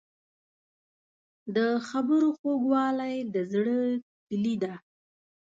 د خبرو خوږوالی د زړه کیلي ده.